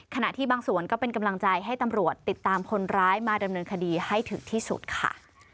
ขณะที่บางส่วนก็เป็นกำลังใจให้ตำรวจติดตามคนร้ายมาดำเนินคดีให้ถึงที่สุดค่ะ